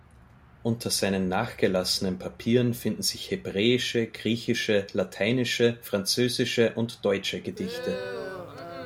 Unter seinen nachgelassenen Papieren finden sich hebräische, griechische, lateinische, französische und deutsche Gedichte.